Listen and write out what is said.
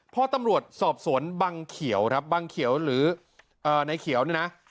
พอตำรวจสอบสวนบังเขียวครับบังเขียวหรือนายเขียวเนี่ยนะ